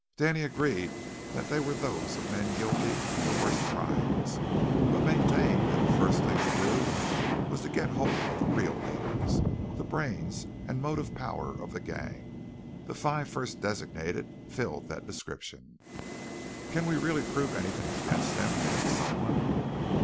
Danny agreed that they were those of men guilty of the worst crimes, but maintained that the first thing to do was to get hold of the real leaders, the brains and motive power of the gang. The five first designated filled that description. "Can we really prove anything against them?" asked someone.